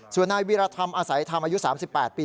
ส่วนนายวีรธรรมอาศัยธรรมอายุ๓๘ปี